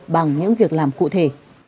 bằng những việc làm cụ thể